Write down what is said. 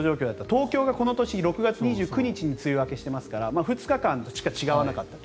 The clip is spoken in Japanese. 東京がこの年、６月２９日に梅雨明けしてますから２日間しか違わなかった。